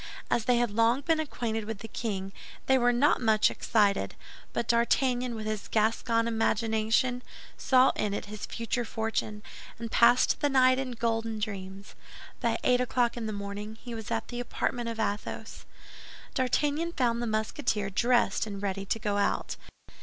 As they had long been acquainted with the king, they were not much excited; but D'Artagnan, with his Gascon imagination, saw in it his future fortune, and passed the night in golden dreams. By eight o'clock in the morning he was at the apartment of Athos. D'Artagnan found the Musketeer dressed and ready to go out.